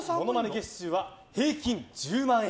月収は平均１０万円。